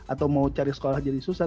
atau mau cari sekolah jadi susah